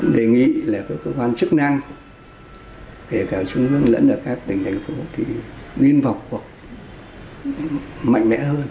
đề nghị là các cơ quan chức năng kể cả trung ương lẫn các tỉnh thành phố thì nguyên vọc mạnh mẽ hơn